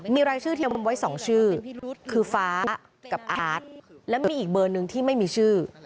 มีรายชื่อเทียมมุมไว้๒ชื่อคือฟ้ากับอาร์ตและมีอีกเบอร์หนึ่งที่ไม่มีชื่อ